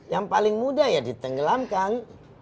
yang paling mudah ya ditenggelamkan